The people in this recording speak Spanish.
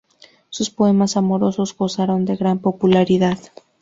Sus poemas amorosos gozaron de gran popularidad.